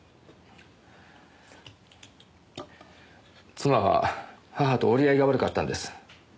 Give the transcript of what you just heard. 妻は母と折り合いが悪かったんです。